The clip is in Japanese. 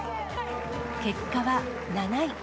結果は７位。